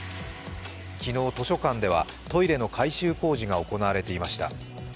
昨日、図書館ではトイレの改修工事が行われていました。